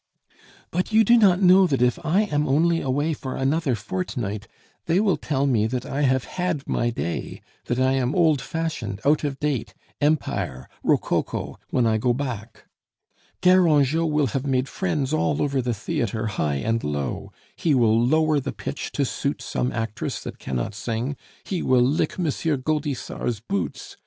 "But you do not know that if I am only away for another fortnight, they will tell me that I have had my day, that I am old fashioned, out of date, Empire, rococo, when I go back. Garangeot will have made friends all over the theatre, high and low. He will lower the pitch to suit some actress that cannot sing, he will lick M. Gaudissart's boots!"